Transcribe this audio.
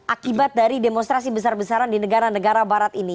akibat dari demonstrasi besar besaran di negara negara barat ini